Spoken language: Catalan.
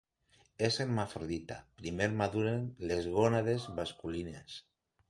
És hermafrodita, primer maduren les gònades masculines.